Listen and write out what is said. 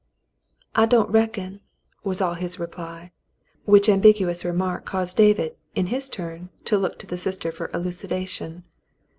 "I don't reckon," was all his reply, which ambiguous remark caused David, in his turn, to look to the sister for elucidation.